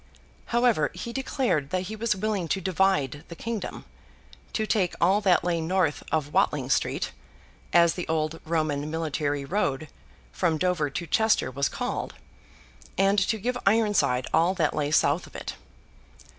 However, he declared that he was willing to divide the kingdom—to take all that lay north of Watling Street, as the old Roman military road from Dover to Chester was called, and to give Ironside all that lay south of it.